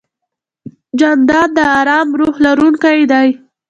جانداد د ارام روح لرونکی دی.